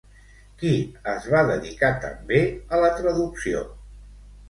Qui es va dedicar també a la traducció?